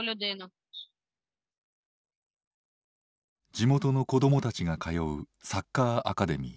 地元の子どもたちが通うサッカーアカデミー。